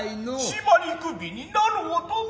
縛り首になろうとも。